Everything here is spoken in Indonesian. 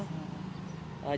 jadi ini adalah kecamatan matraman